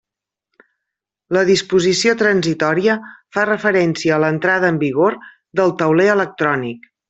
La disposició transitòria fa referència a l'entrada en vigor del tauler electrònic.